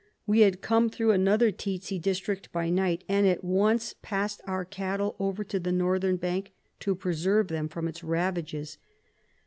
"We had come through another tsetse district by night, and at once passed our cattle over to the northern bank to preserve them from its ravages.